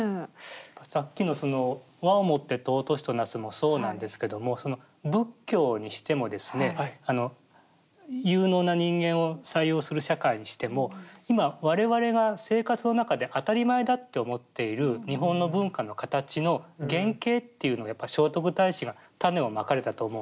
さっきの「和を以て貴しとなす」もそうなんですけども仏教にしてもですね有能な人間を採用する社会にしても今我々が生活の中で当たり前だって思っている日本の文化の形の原型っていうのはやっぱ聖徳太子が種をまかれたと思うんですよ。